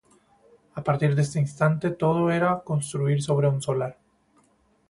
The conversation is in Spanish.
A partir de este instante todo era construir sobre un solar.